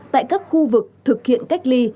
tại các khu vực thực hiện cách ly